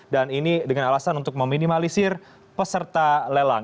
dan ini dengan alasan untuk meminimalisir peserta lelang